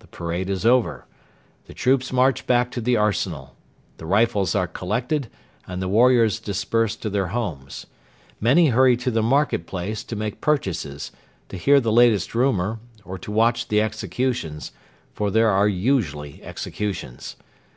The parade is over. The troops march back to the arsenal. The rifles are collected, and the warriors disperse to their homes. Many hurry to the market place to make purchases, to hear the latest rumour, or to watch the executions for there are usually executions.